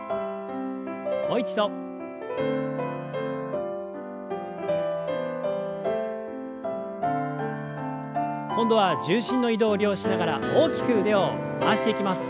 もう一度。今度は重心の移動を利用しながら大きく腕を回していきます。